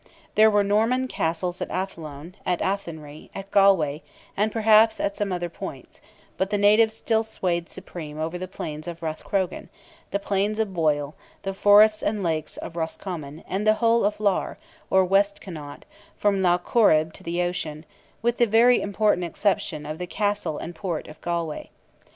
There were Norman Castles at Athlone, at Athenry, at Galway, and perhaps at other points; but the natives still swayed supreme over the plains of Rathcrogan, the plains of Boyle, the forests and lakes of Roscommon, and the whole of Iar, or West Connaught, from Lough Corrib to the ocean, with the very important exception of the castle and port of Galway.